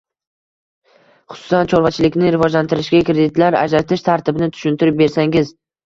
xususan chorvachilikni rivojlantirishga kreditlar ajratish tartibini tushuntirib bersangiz?